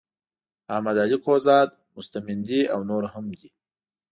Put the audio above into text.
احمد علی کهزاد مستمندي او نور هم دي.